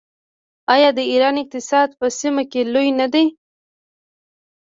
آیا د ایران اقتصاد په سیمه کې لوی نه دی؟